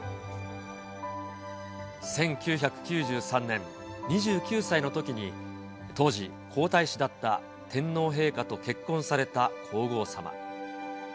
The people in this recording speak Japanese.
１９９３年、２９歳のときに当時、皇太子だった天皇陛下と結婚された皇后さま。